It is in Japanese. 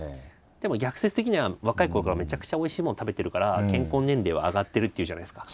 でも逆説的には若いころからめちゃくちゃおいしいもの食べてるから健康年齢は上がってるっていうじゃないですか。